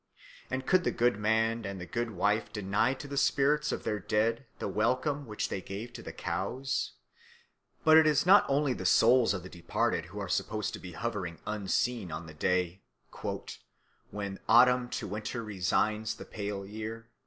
and could the good man and the good wife deny to the spirits of their dead the welcome which they gave to the cows? But it is not only the souls of the departed who are supposed to be hovering unseen on the day "when autumn to winter resigns the pale year."